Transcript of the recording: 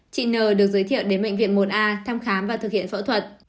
chị n được giới thiệu đến bệnh viện một a thăm khám và thực hiện phẫu thuật